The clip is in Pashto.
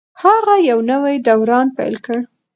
هغه یو نوی دوران پیل کړ.